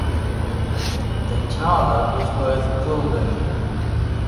The thaler was worth "Gulden".